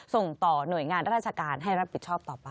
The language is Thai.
ส่งต่อหน่วยงานราชการให้รับผิดชอบต่อไป